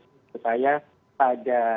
menurut saya pada